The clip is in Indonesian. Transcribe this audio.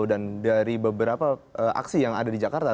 dan dari beberapa aksi yang ada di jakarta